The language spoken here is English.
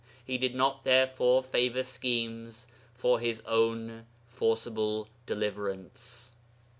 He did not therefore favour schemes for his own forcible deliverance.